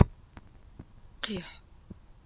Къихь!